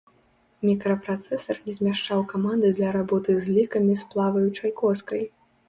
Мікрапрацэсар не змяшчаў каманды для работы з лікамі з плаваючай коскай.